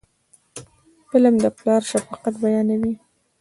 فلم د پلار شفقت بیانوي